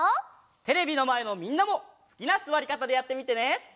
テレビのまえのみんなもすきなすわりかたでやってみてね！